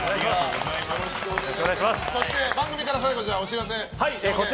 そして、番組からお知らせ。